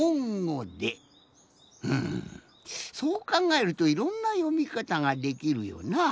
うんそうかんがえるといろんなよみかたができるよなあ。